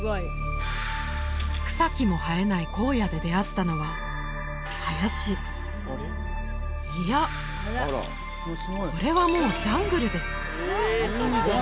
草木も生えない荒野で出会ったのは林いやこれはもうジャングルです！